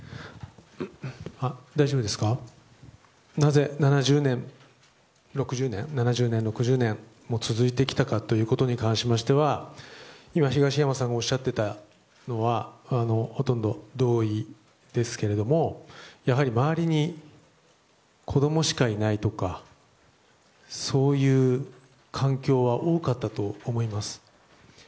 なぜ７０年、６０年も続いてきたかということに関しましては今、東山さんがおっしゃっていたのはほとんど同意ですけれどもやはり周りに子供しかいないとかそういう環境は多かったと思います。